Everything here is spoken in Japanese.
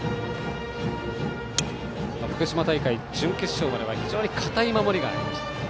福島大会準決勝までは非常に堅い守りがありました。